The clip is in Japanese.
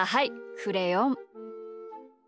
クレヨン。